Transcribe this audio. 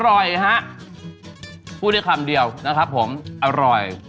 อร่อยฮะพูดได้คำเดียวนะครับผมอร่อย